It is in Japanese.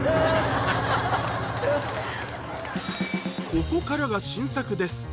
ここからが新作です